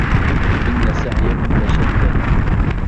إِنَّ سَعيَكُم لَشَتّى